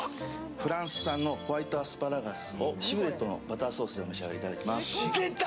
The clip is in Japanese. フランス産のホワイトアスパラガスをシブレットのバターソースでお召し上がりいただけます。